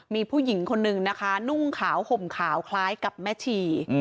มีผู้หญิงคนนึงนะคะนุ่งขาวห่มขาวคล้ายกับแม่ชี